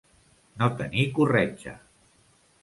No tenir corretja.